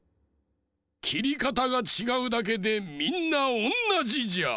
きりかたがちがうだけでみんなおんなじじゃ！